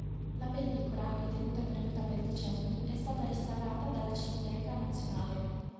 La pellicola, ritenuta perduta per decenni, è stata restaurata dalla Cineteca Nazionale.